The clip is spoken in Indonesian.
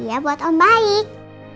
bikin hadiah buat om baik